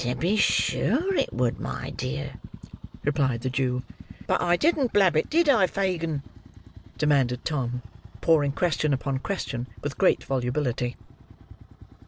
"To be sure it would, my dear," replied the Jew. "But I didn't blab it; did I, Fagin?" demanded Tom, pouring question upon question with great volubility.